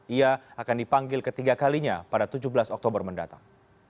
ia akan dipanggil ketiga kalinya pada tujuh belas oktober mendatang